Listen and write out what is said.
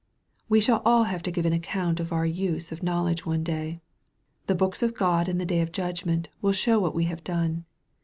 We shall all have to give account of our use of know ledge one day. The books of God in the day of judg ment will show what we have done.